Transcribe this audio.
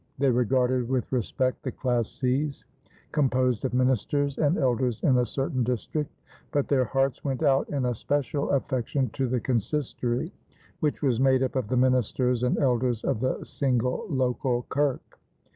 They regarded with respect the classis, composed of ministers and elders in a certain district; but their hearts went out in a special affection to the consistory, which was made up of the ministers and elders of the single local kerk.